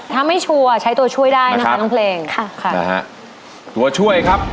ถ้าไม่ชัวร์ใช้ตัวช่วยได้นะครับลองเพลงค่ะตัวช่วยครับ